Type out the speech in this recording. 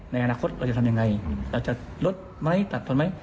ในอนาคตเราจะทำอย่างไรเราจะลดไม้ตัดส็ทไหม